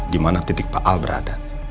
di mana titik pak al berada